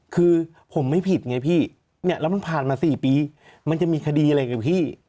คือผมไม่ผิดไงพี่เนี่ยแล้วมันผ่านมา๔ปีมันจะมีคดีอะไรกับพี่